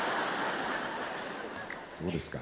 そうですか。